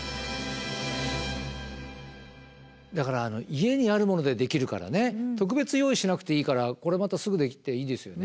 だから家にあるものでできるからね特別用意しなくていいからこれまたすぐできていいですよね。